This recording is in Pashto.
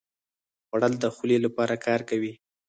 خوړل د خولې لپاره کار کوي